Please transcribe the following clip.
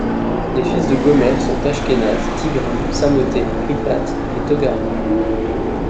Les fils de Gomère sont Ashkenaz, Thygrammes, Samothée, Riphath et Togarma.